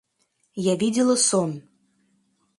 Я видела сон.